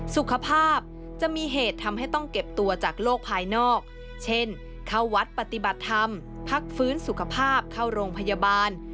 สุขภาพจะมีเหตุทำให้ต้องเก็บตัวจากโลกภายนอกเช่นเข้าวัดปฏิบัติธรรมพักฟื้นสุขภาพเข้าโรงพยาบาล